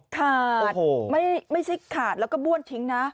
ขาดไม่ใช่ขาดแล้วก็บ้วนทิ้งนะ